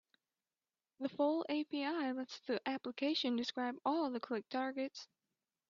The full API lets the application describe all the click targets.